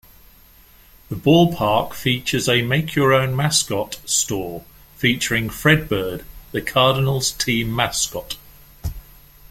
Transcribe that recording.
The ballpark features a make-your-own-mascot store featuring Fredbird, the Cardinals' team mascot.